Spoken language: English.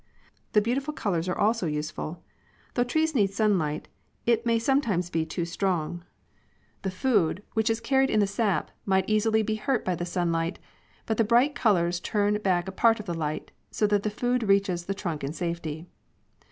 The beautiful colors are also useful. Though trees need sunlight, it may sometimes be too strong. 8. From Scale to Bud. * V loo The food, which is carried in the sap, might easily be hurt by the sunlight, but the bright colors turn back a part of the light, so that the food reaches the trunk in safety.